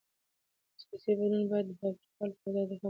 سیاسي بدلون باید د تاوتریخوالي پر ځای د تفاهم له لارې وشي